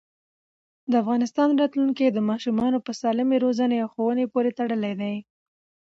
د افغانستان راتلونکی د ماشومانو په سالمې روزنې او ښوونې پورې تړلی دی.